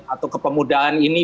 atau kepemudaan ini